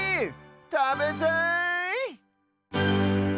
たべたい！